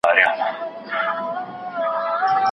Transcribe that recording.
زه به په راتلونکي کي خپلي ټولي بریاوي او لاسته راوړني هضم کړم.